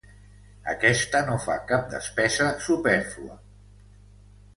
Aquesta no fa cap despesa supèrflua.